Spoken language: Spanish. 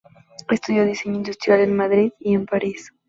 Estudió diseño industrial en Madrid y en París.